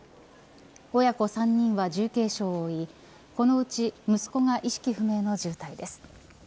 親子３人は重軽傷を負いこのうち息子が意識不明の重体です。